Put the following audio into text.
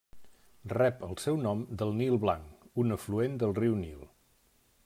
Rep el seu nom del Nil Blanc, un afluent del riu Nil.